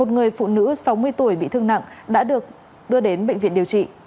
một người phụ nữ sáu mươi tuổi bị thương nặng đã được đưa đến bệnh viện điều trị